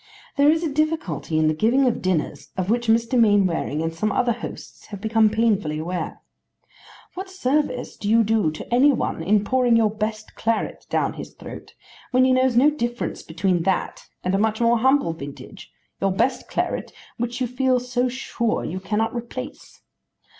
There is a difficulty in the giving of dinners of which Mr. Mainwaring and some other hosts have become painfully aware. What service do you do to any one in pouring your best claret down his throat, when he knows no difference between that and a much more humble vintage, your best claret which you feel so sure you cannot replace?